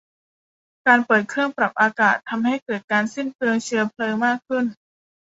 การเปิดเครื่องปรับอากาศทำให้เกิดการสิ้นเปลืองเชื้อเพลิงมากขึ้น